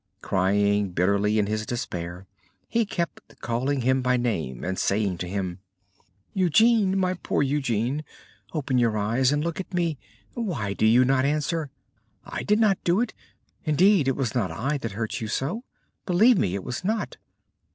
Crying bitterly in his despair, he kept calling him by name and saying to him: "Eugene! my poor Eugene! Open your eyes and look at me! Why do you not answer? I did not do it; indeed it was not I that hurt you so! believe me, it was not!